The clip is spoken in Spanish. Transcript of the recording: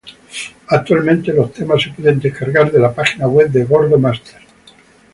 Actualmente los temas se pueden descargar de la página web de Gordo Master.